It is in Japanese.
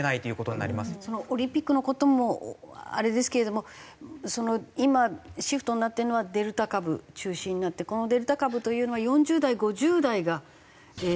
そのオリンピックの事もあれですけれども今シフトになっているのはデルタ株中心になってこのデルタ株というのは４０代５０代が感染の確率が高い。